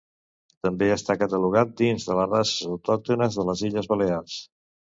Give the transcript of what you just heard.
També està catalogat dins de les races autòctones de les Illes Balears.